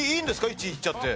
１位いっちゃって。